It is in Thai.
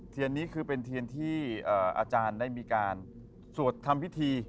เทียนนี้คือเป็นเทียนที่อาจารย์ได้มีการสวดทำพิธี